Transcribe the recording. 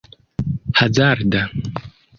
hazarda